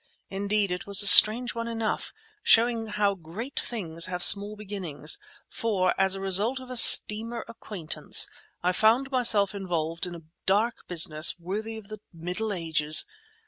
Indeed, it was a strange one enough, showing how great things have small beginnings; for, as a result of a steamer acquaintance I found myself involved in a dark business worthy of the Middle Ages.